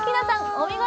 お見事！